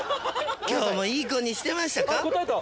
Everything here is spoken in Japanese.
今日もいい子にしてましたか？